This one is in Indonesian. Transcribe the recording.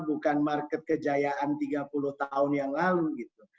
bukan market kejayaan tiga puluh tahun yang lalu gitu